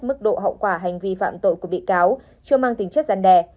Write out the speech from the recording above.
mức độ hậu quả hành vi phạm tội của bị cáo chưa mang tính chất rắn đè